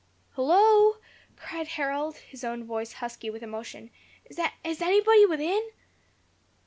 "Hallo!" cried Harold, his own voice husky with emotion. "Is anybody within?"